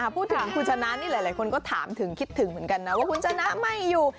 พูดถึงคุณชนะนี่หลายคนก็ถามถึงคิดถึงเหมือนกันนะว่าคุณชนะไม่อยู่